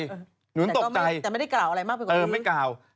แต่ไม่ได้กล่าวอะไรมากกว่านี้